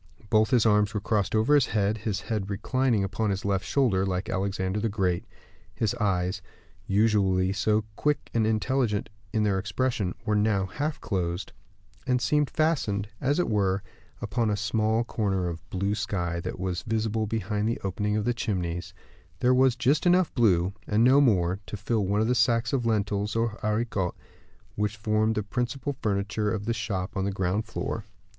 Both his arms were crossed over his head, his head reclining upon his left shoulder, like Alexander the Great. His eyes, usually so quick and intelligent in their expression, were now half closed, and seemed fastened, as it were, upon a small corner of blue sky that was visible behind the opening of the chimneys; there was just enough blue, and no more, to fill one of the sacks of lentils, or haricots, which formed the principal furniture of the shop on the ground floor.